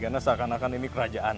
karena seakan akan ini kerajaan